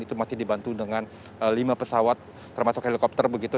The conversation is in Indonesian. itu masih dibantu dengan lima pesawat termasuk helikopter begitu